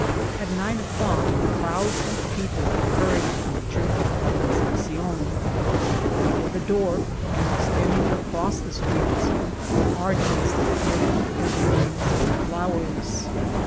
At nine o'clock crowds of people were hurry mg to the Church of Iol Concepcion; Before the door, and extending across the streets, were arches decorated with evergreens and flowers.